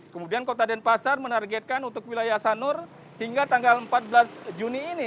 kemudian kota denpasar menargetkan untuk wilayah sanur hingga tanggal empat belas juni ini